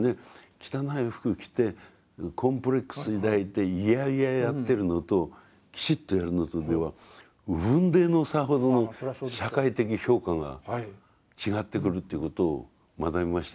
汚い服着てコンプレックス抱いて嫌々やってるのときちっとやるのとでは雲泥の差ほどの社会的評価が違ってくるということを学びましたね。